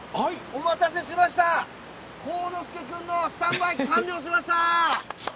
お待たせしました、幸之介君のスタンバイ完了しました。